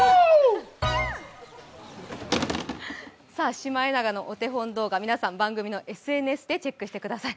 シマエナガのお手本動画皆さん、番組のＳＮＳでチェックしてください。